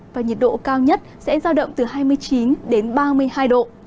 và nhiệt độ cao nhất sẽ rao động từ hai mươi chín ba mươi hai độ